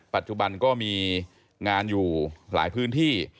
ปัจจุบันก็มีงานอยู่หลายพื้นที่